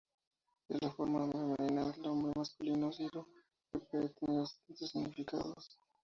Es la forma femenina del nombre masculino Ciro, que puede tener distintos significados.